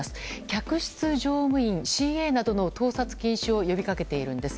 客室乗務員・ＣＡなどの盗撮禁止を呼びかけているんです。